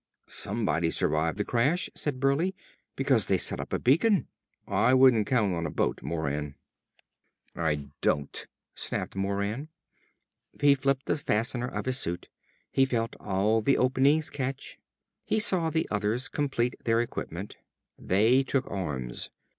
"Somebody survived the crash," said Burleigh, "because they set up a beacon. I wouldn't count on a boat, Moran." "I don't!" snapped Moran. He flipped the fastener of his suit. He felt all the openings catch. He saw the others complete their equipment. They took arms.